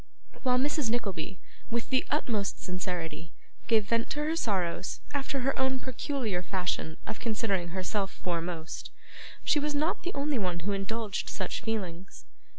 While Mrs. Nickleby, with the utmost sincerity, gave vent to her sorrows after her own peculiar fashion of considering herself foremost, she was not the only one who indulged such feelings.